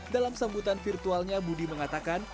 dalam sambutan virtualnya budi mengatakan